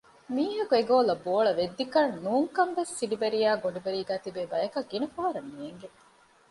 މީހަކު އެ ގޯލަށް ބޯޅަ ވެއްދިކަން ނޫންކަން ވެސް ސިޑިބަރިއާއި ގޮނޑިބަރީގައި ތިބޭ ބަޔަކަށް ގިނަފަހަރަށް ނޭނގޭނެ